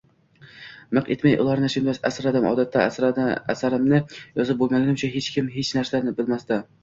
Miq etmay, ularni ichimda asrardim, odatda, asarimni yozib boʻlgunimcha hech kim hech narsa bilmasdi